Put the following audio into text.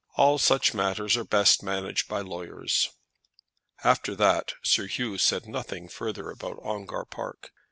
All such matters are best managed by lawyers." After that Sir Hugh said nothing further about Ongar Park.